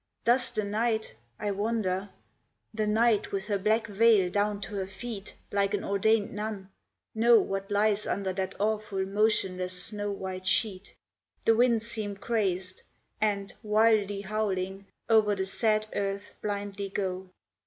Does the Night, I wonder The Night, with her black veil down to her feet Like an ordained nun, know what lies under That awful, motionless, snow white sheet? The winds seem crazed, and, wildly howling, Over the sad earth blindly go.